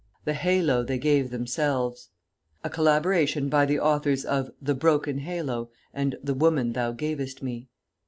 THE HALO THEY GAVE THEMSELVES [A collaboration by the Authors of "The Broken Halo" and "The Woman Thou Gavest Me."